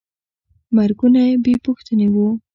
مرګونه بېپوښتنې وو.